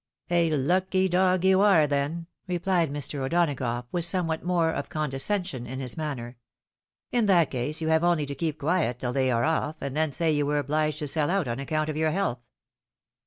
" A lucky dog you are then," replied Mr. O'Donagough, ■with somewhat more of condescension in his manner. " In 266 THE WIDOW MAREIED. that case you have only to keep quiet till they are oif, and then say you were obliged to sell out on account of your health."